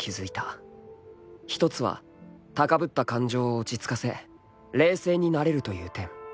［一つは高ぶった感情を落ち着かせ冷静になれるという点］